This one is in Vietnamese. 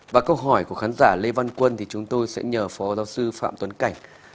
và câu hỏi của khán giả lê văn quân thì chúng tôi sẽ nhờ phó giáo sư phạm tuấn cảnh